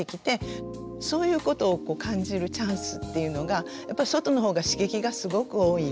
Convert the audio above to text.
そういうことを感じるチャンスっていうのがやっぱり外の方が刺激がすごく多いんで。